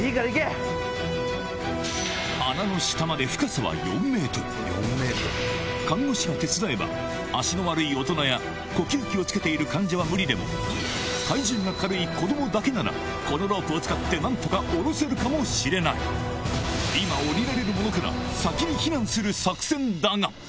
穴の下まで看護師が手伝えば足の悪い大人や呼吸器をつけている患者は無理でも体重が軽い子供だけならこのロープを使って何とか下ろせるかもしれないそうだ！